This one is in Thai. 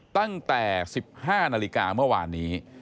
ตั้งแต่๑๕นาฬิกาเมื่อวานนี้